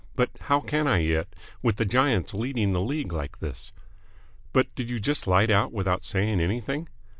But how can I yet, with the Giants leading the league like this?" "But did you just light out without saying anything?"